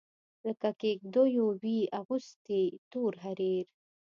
لکه کیږدېو وي اغوستي تور حریر